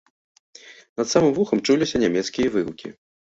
Над самым вухам чуліся нямецкія выгукі.